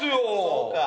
そうか？